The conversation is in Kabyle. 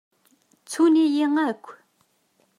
Ttun-iyi akk.